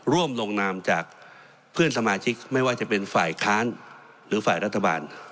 ร่วมลงนามจากเพื่อนสมาชิกไม่ว่าจะเป็นฝ่ายค้านหรือฝ่ายรัฐบาล